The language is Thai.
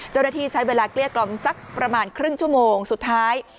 เจ้าหน้าที่ใช้เวลาเกลี้ยกล่อมสักประมาณครึ่งชั่วโมงสุดท้าย